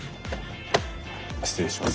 失礼します。